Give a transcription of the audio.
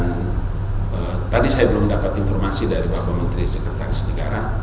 dan tadi saya belum dapat informasi dari bapak menteri sekretaris negara